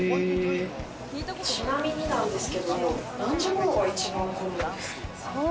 ちなみになんですけど、何時頃が一番混むんですか？